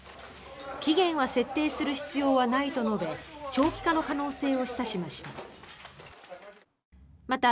期限は設定する必要はないと述べ長期化の可能性を示唆しました。